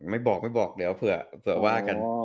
ไม่บอกไม่บอกเดี๋ยวเผื่อว่ากัน